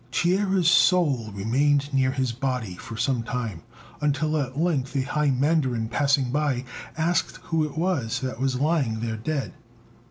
Chia's soul remained near his body for some time, until at length a high mandarin passing by asked who it was that was lying there dead.